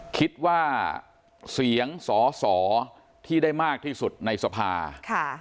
คิดว่าเสียงสอสอที่ได้มากที่สุดในสภาค่ะ